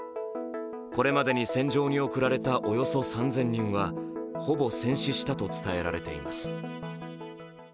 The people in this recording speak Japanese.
これまでに戦場に送られたおよそ３０００人はほぼ戦死したと伝えられています。